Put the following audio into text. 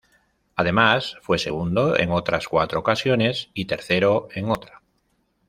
Además, fue segundo en otras cuatro ocasiones y tercero en otra.